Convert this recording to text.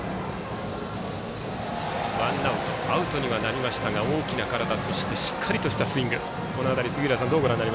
アウトにはなりましたが大きな体そしてしっかりとしたスイング。